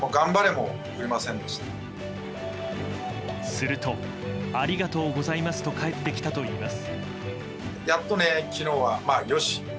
するとありがとうございますと返ってきたといいます。